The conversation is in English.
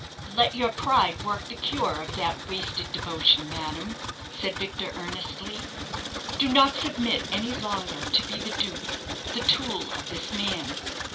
"Let your pride work the cure of that wasted devotion, madame," said Victor, earnestly. "Do not submit any longer to be the dupe, the tool, of this man.